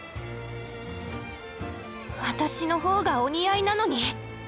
私の方がお似合いなのに！